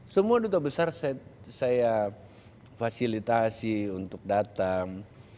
semua duta besar saya fasilitasi untuk datang